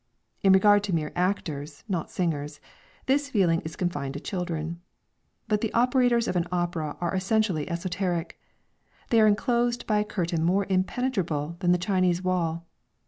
In regard to mere actors, not singers, this feeling is confined to children; but the operators of an opera are essentially esoteric. They are enclosed by a curtain more impenetrable than the Chinese wall.